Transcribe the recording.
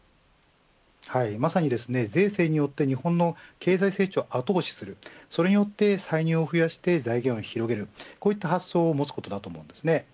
まさに税制によって日本の経済成長を後押しするそれによって歳入を増やして財源を広げるこういった発想を持つことです。